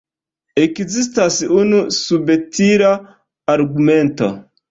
Ekzistas unu subtila argumento.